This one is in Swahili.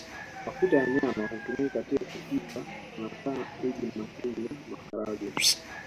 Mafuta ya nyama hutumika katika kupika sanasana uji mahindi na maharagwe